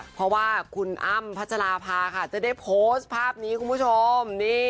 เพราะว่าคุณอ้ำพัชราภาค่ะจะได้โพสต์ภาพนี้คุณผู้ชม